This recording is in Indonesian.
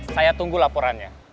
saya tunggu laporannya